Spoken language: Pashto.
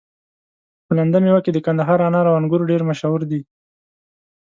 په لنده ميوه کي د کندهار انار او انګور ډير مشهور دي